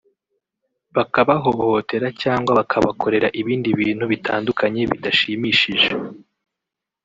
bakabahohoteracyangwa bakabakorera ibindi bintu bitandukanye bidashimishije